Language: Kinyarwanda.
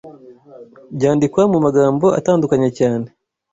byandikwa mu magambo atandukanye cyane